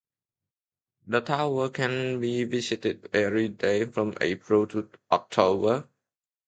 The tower can be visited every day from April to October.